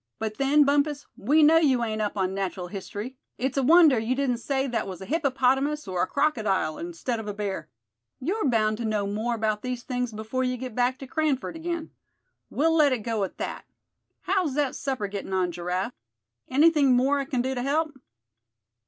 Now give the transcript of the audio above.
But then, Bumpus, we know you ain't up on natural history. It's a wonder you didn't say that was a hippopotamus, or a crocodile, instead of a bear. You're bound to know more about these things before you get back to Cranford again. We'll let it go at that. How's that supper gettin' on, Giraffe? Anything more I c'n do to help?"